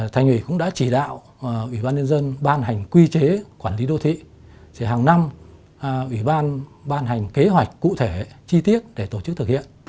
thành ủy cũng đã chỉ đạo ủy ban nhân dân ban hành quy chế quản lý đô thị hàng năm ủy ban ban hành kế hoạch cụ thể chi tiết để tổ chức thực hiện